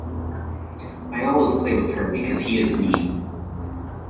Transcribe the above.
I always play with her because he is mean.